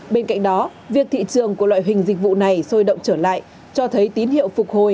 bên cạnh đó việc thị trường của loại hình dịch vụ này sôi động trở lại cho thấy tín hiệu phục hồi